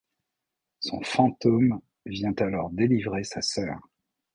Son fantôme vient alors délivrer sa sœur.